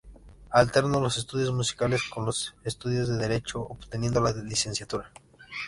Alternó los estudios musicales con los estudios de Derecho, obteniendo la licenciatura.